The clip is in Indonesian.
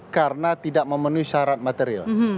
karena tidak memenuhi syarat material